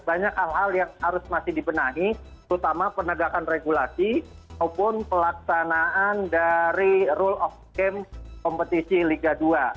banyak hal hal yang harus masih dibenahi terutama penegakan regulasi maupun pelaksanaan dari rule of game kompetisi liga dua